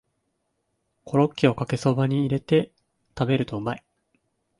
コロッケをかけそばに入れて食べるとうまい